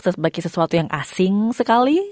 sebagai sesuatu yang asing sekali